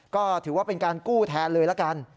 ก็ถือว่าเป็นการกู้แทนเลยละกัน